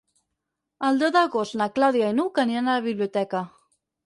El deu d'agost na Clàudia i n'Hug aniran a la biblioteca.